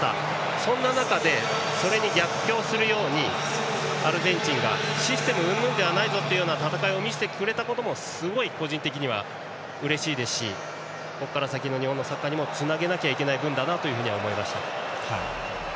そんな中でそれに逆行するようにアルゼンチンがシステムうんぬんではないぞというところを見せてくれたのもすごい個人的にうれしいですしここから先の日本のサッカーにもつなげなきゃいけない部分だなと思いました。